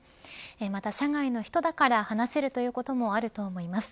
また、社外の人だから話せるということもあると思います。